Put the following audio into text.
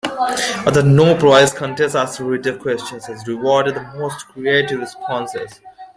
Other No-Prize contests asked readers questions and rewarded the most creative responses.